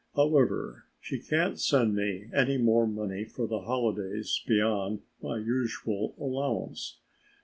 However, she can't send me any more money for the holidays beyond my usual allowance.